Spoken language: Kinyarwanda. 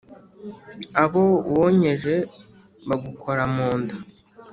abo wonkeje bagukoramunda